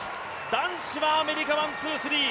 男子はアメリカワン・ツー・スリー。